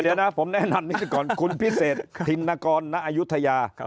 เดี๋ยวนะผมแนะนำนี้ก่อนคุณพิเศษธินกรณอายุทยา